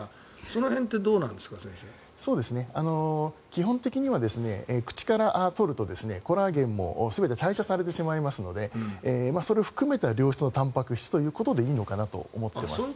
基本的には口から取るとコラーゲンも全て代謝されてしまいますのでそれを含めた良質なたんぱく質ということでいいのかなと思います。